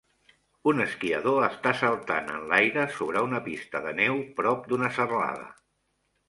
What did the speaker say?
Un esquiador està saltant en l'aire sobre una pista de neu prop d'una serralada